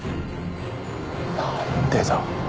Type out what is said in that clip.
何でだ？